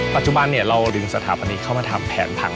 ปัจจุบันเราดึงสถาปนิกเข้ามาทำแผนพัง